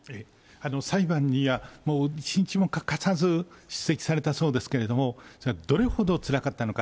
裁判には、一日も欠かさず出席されたそうですけれども、それがどれほどつらかったのか。